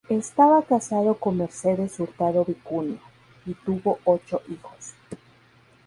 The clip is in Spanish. Estaba casado con Mercedes Hurtado Vicuña, y tuvo ocho hijos.